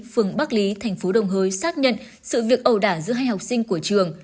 phường bắc lý thành phố đồng hới xác nhận sự việc ẩu đả giữa hai học sinh của trường